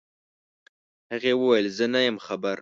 هغې وويل زه نه يم خبر.